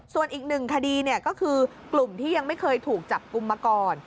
ส่วนอีกหนึ่งคดีก็คือกลุ่มที่ยังไม่เคยถูกจับกลุ่มมาก่อน